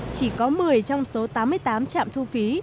chỉ có một mươi trong số tám mươi tám trạm thu phí